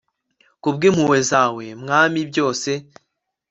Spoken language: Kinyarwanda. ku bw'impuhwe zawe, mwami, byose